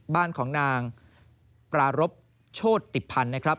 บ้านของนางปรารบโชติพันธ์นะครับ